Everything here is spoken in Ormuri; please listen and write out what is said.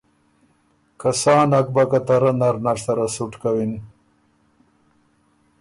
که سا نک بَۀ که ته رۀ نر نر سره سُټ کوِن۔